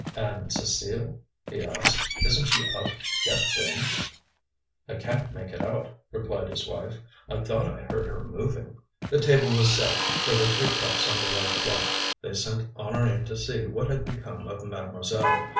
"And Cécile?" he asked, "isn't she up yet then?" "I can't make it out," replied his wife. "I thought I heard her moving." The table was set; there were three cups on the white cloth. They sent Honorine to see what had become of mademoiselle.